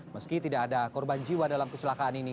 meski tidak ada korban jiwa dalam kecelakaan ini